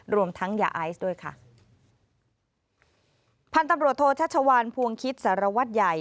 รวมทั้งยาไอซ์ด้วยค่ะพันธุ์ตำรวจโทชัชวานภวงคิดสารวัตรใหญ่